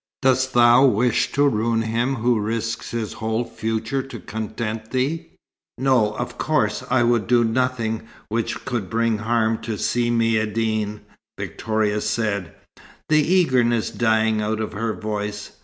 Dost thou wish to ruin him who risks his whole future to content thee?" "No, of course I would do nothing which could bring harm to Si Maïeddine," Victoria said, the eagerness dying out of her voice.